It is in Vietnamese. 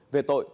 về tội truy nã